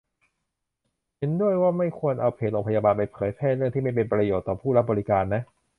เห็นด้วยว่าไม่ควรเอาเพจโรงพยาบาล ไปเผยแพร่เรื่องที่ไม่มีประโยชน์ต่อผู้รับบริการนะ